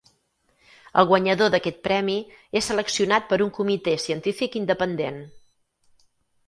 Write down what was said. El guanyador d'aquest premi és seleccionat per un comitè científic independent.